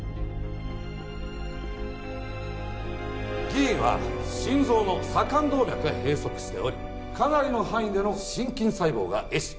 議員は心臓の左冠動脈が閉塞しておりかなりの範囲での心筋細胞が壊死。